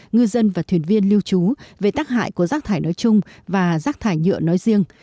ngư dân và thuyền viên lưu trú về tác hại của rác thải nói chung và rác thải nhựa nói riêng